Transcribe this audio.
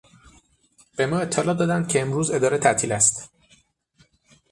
به ما اطلاع دادند که امروز اداره تعطیل است.